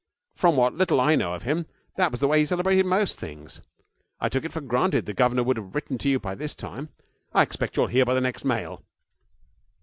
From what little I know of him, that was the way he celebrated most things. I took it for granted the governor would have written to you by this time. I expect you'll hear by the next mail.